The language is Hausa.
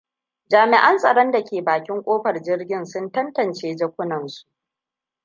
Jami'an tsaron da ke bakin kofar jirgin sun tantance jakunansu.